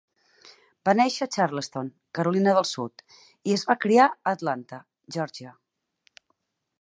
Va néixer a Charleston, Carolina del Sud i es va criar a Atlanta, Georgia.